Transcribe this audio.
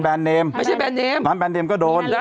ร้านแนมก็โดน